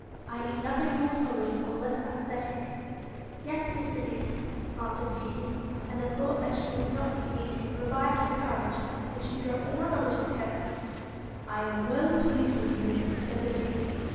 I eat nothing more solid or less aesthetic.' ' Yes, Mr. Beast,' answered Beauty ; and the thought that she was not to be eaten revived her courage, and she dropped another little courtesy. 4 1 am well pleased with you,' said the Beast.